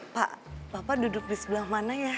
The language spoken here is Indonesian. pak bapak duduk di sebelah mana ya